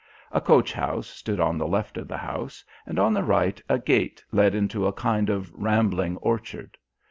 A coach house stood on the left of the house, and on the right a gate led into a kind of rambling orchard.